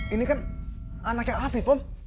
ini kan anaknya afif om